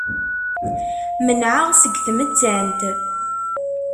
Menɛeɣ seg tmettant.